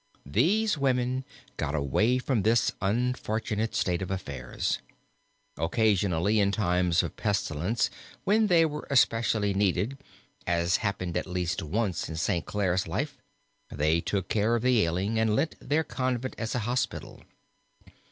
These women got away from this unfortunate state of affairs. Occasionally in times of pestilence, when they were specially needed, as happened at least once in Saint Clare's life, they took care of the ailing and lent their convent as a hospital.